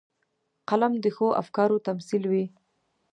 قلم د ښو افکارو تمثیلوي